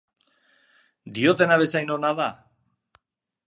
Diotena bezain ona da?